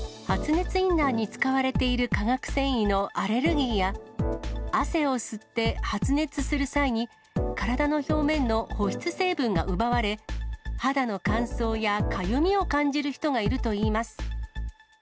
発熱インナーに使われている化学繊維のアレルギーや、汗を吸って発熱する際に、体の表面の保湿成分が奪われ、肌の乾燥やかゆみを感じる人がいるといいます。